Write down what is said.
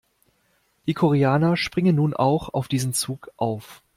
Die Koreaner springen nun auch auf diesen Zug auf.